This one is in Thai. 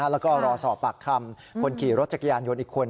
แล้วก็รอสอบปากคำคนขี่รถจักรยานยนต์อีกคน